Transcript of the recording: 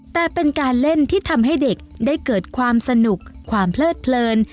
แต่เป็นการเล่นที่ทำให้เด็กได้เกิดความสนุกความเพลิดเพลิน